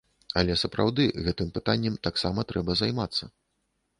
Але сапраўды, гэтым пытаннем таксама трэба займацца.